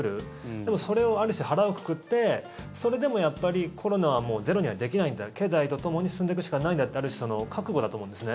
でもそれをある種、腹をくくってそれでもやっぱりコロナはもうゼロにはできないんだ経済とともに進んでいくしかないんだというある種、覚悟だと思うんですね。